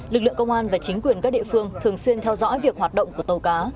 lực lượng công an và chính quyền các địa phương thường xuyên theo dõi việc hoạt động của tàu cá